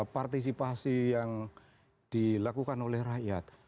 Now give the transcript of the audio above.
partisipasi yang dilakukan oleh rakyat